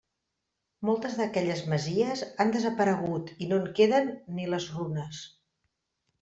Moltes d'aquelles masies han desaparegut i no en queden ni les runes.